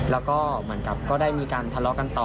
แล้วก็เหมือนกับก็ได้มีการทะเลาะกันต่อ